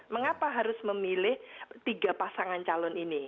mengapa harus memilih tiga pasangan calon ini